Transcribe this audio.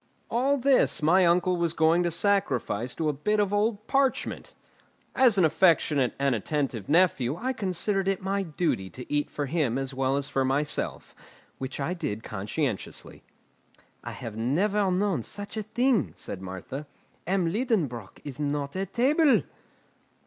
All this my uncle was going to sacrifice to a bit of old parchment. As an affectionate and attentive nephew I considered it my duty to eat for him as well as for myself, which I did conscientiously. "I have never known such a thing," said Martha. "M. Liedenbrock is not at table!"